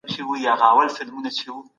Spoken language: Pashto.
د رنګ او ژبي پر بنسټ تبعیض منع دی.